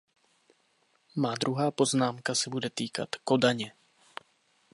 Má druhá poznámka se bude týkat Kodaně.